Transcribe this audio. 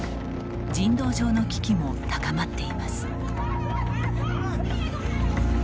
人道上の危機も高まっています。